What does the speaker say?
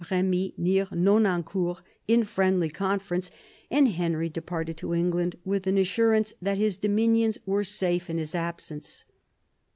Kemy, near Nonancourt, in friendly conference, and Henry departed to England with an assurance that his dominions were safe in his absence.